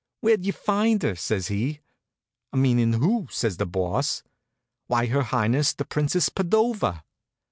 "Where'd you find her?" says he. "Meanin' who?" says the Boss. "Why, her highness the Princess Padova."